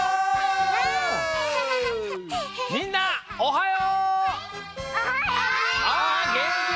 みんなおはよう！